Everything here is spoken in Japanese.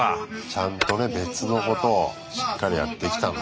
ちゃんとね別のことをしっかりやってきたんだ。